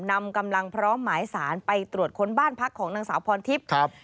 นำกำลังพร้อมหมายสารไปตรวจค้นบ้านพักของนางสาวพรทิพย์ครับ